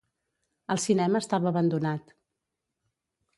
El cinema estava abandonat.